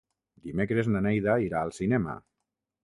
Dimecres na Neida irà al cinema.